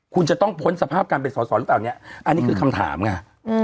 คุณจะต้องพ้นสภาพการไปสอนหรือต่างแบบเนี้ยอันนี้คือคำถามไง